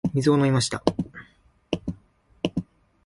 水を飲みました。